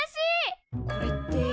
これって。